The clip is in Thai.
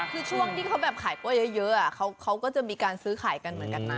คือช่วงที่เขาแบบขายกล้วยเยอะเขาก็จะมีการซื้อขายกันเหมือนกันนะ